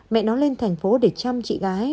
mẹ nó lên thành phố để chăm chị gái